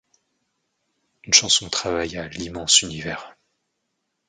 Une chanson travaille à l’immense univers ;